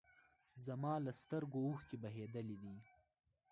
زما له سترګو اوښکې بهېدلي دي